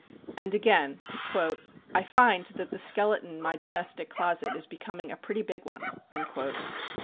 And again: "I find that the skeleton in my domestic closet is becoming a pretty big one."